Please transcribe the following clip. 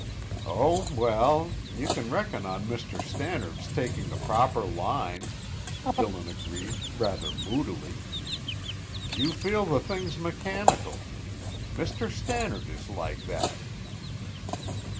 "Oh, well; you can reckon on Mr. Stannard's taking the proper line," Dillon agreed rather moodily. "You feel the thing's mechanical. Mr. Stannard is like that."